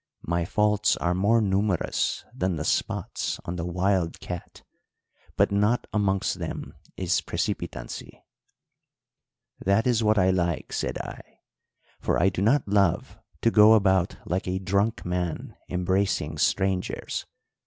'My faults are more numerous than the spots on the wild cat, but not amongst them is precipitancy.' "'That is what I like,' said I; 'for I do not love to go about like a drunk man embracing strangers.